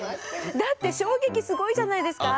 だって衝撃すごいじゃないですか。